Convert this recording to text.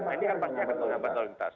ini kan pasti akan berjalan empat lalu lintas